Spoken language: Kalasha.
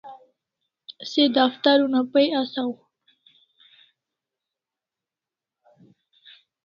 Se daftar una pay asaw